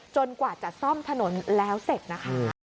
จนกว่าจัดสร้อมถนนแล้วเสร็จนะคะ